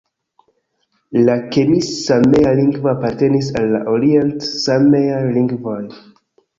La kemi-samea lingvo apartenis al la orient-sameaj lingvoj.